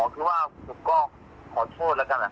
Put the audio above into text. อ๋อคือว่าผมก็ขอโทษแล้วกันนะครับ